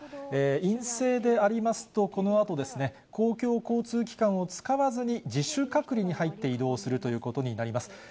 陰性でありますと、このあと公共交通機関を使わずに、自主隔離に入って移動するということになります。